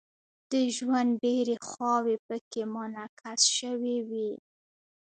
د ژوند ډیرې خواوې پکې منعکس شوې وي.